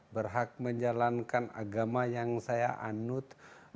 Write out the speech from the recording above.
berhak menjalankan agama yang saya anut